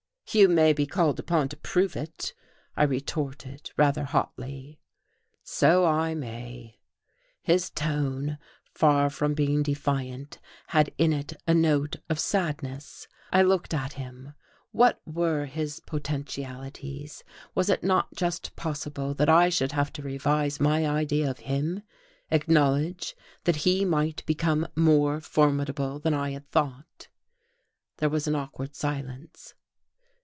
"You may be called upon to prove it," I retorted, rather hotly. "So I may." His tone, far from being defiant, had in it a note of sadness. I looked at him. What were his potentialities? Was it not just possible that I should have to revise my idea of him, acknowledge that he might become more formidable than I had thought? There was an awkward silence.